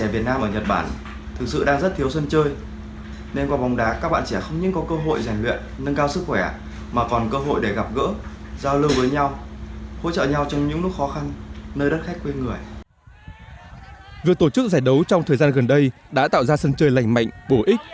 việc tổ chức giải đấu trong thời gian gần đây đã tạo ra sân chơi lành mạnh bổ ích